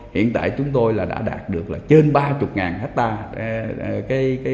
hiện tại chúng tôi đã đạt được trên ba mươi hectare